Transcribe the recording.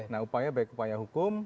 nah upaya baik upaya hukum